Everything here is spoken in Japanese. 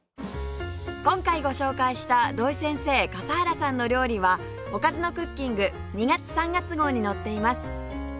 今回ご紹介した土井先生笠原さんの料理は『おかずのクッキング』２月３月号に載っています